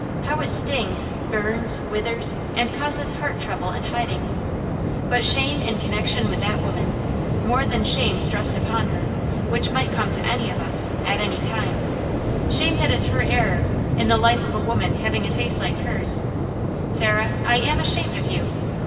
How it stings, burns, withers, and causes heart trouble and hiding; but shame in connection with that woman, more than shame thrust upon her, which might come to any of us, at any time, shame that is her error, in the life of a woman having a face like hers, Sarah, I am ashamed of you!